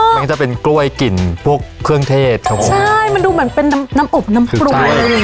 อ๋อมันก็จะเป็นกล้วยกลิ่นพวกเครื่องเทศครับผมใช่มันดูเหมือนเป็นน้ำอบน้ำปลูงอะไรอย่างเงี้ย